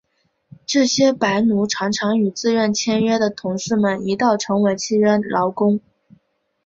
这些白奴常常与自愿签约的同事们一道成为契约劳工。